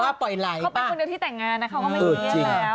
เข้าไปที่แต่งงานที่แต่งงานนะไตร่เขาก็ไม่บุญแพ้แล้ว